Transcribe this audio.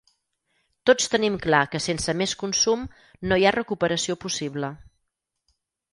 Tots tenim clar que sense més consum no hi ha recuperació possible.